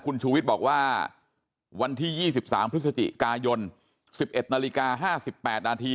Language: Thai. คุณชูวิทย์บอกว่าวันที่๒๓พฤศจิกายน๑๑นาฬิกา๕๘นาที